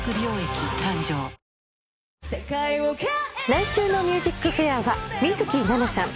来週の『ＭＵＳＩＣＦＡＩＲ』は水樹奈々さん